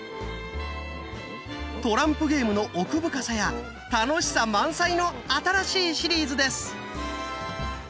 トランプゲームの奥深さや楽しさ満載の新しいシリーズです！